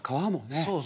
そうそう。